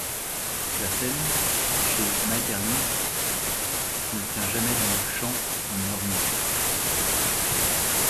La scène, chez Maeterlinck, ne tient jamais dans le champ d’une lorgnette.